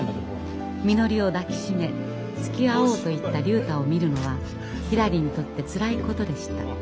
みのりを抱きしめつきあおうと言った竜太を見るのはひらりにとってつらいことでした。